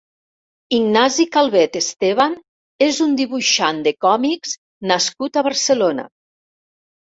Ignasi Calvet Esteban és un dibuixant de còmics nascut a Barcelona.